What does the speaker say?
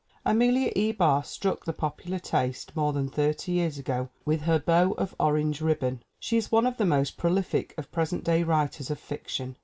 Amelia E. Barr struck the popular taste more than thirty years ago with her Bow of Orange Ribbon. She is one of the most prolific of present day writers of fiction.